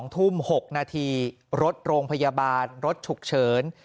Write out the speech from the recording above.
๒ทุ่ม๖นาทีรถโรงพยาบาลรถฉุกเฉิน